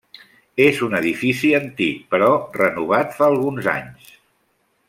És un edifici antic però renovat fa alguns anys.